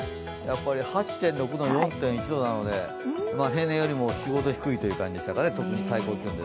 ８．６度、４．１度なので平年よりも４５度低いという感じでしたかね、特に最高気温。